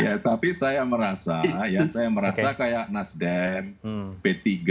ya tapi saya merasa ya saya merasa kayak nasdem p tiga